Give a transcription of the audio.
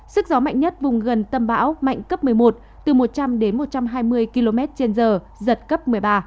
sức gió mạnh nhất vùng gần tâm bão mạnh cấp một mươi một từ một trăm linh đến một trăm hai mươi km trên giờ giật cấp một mươi ba